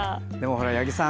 八木さん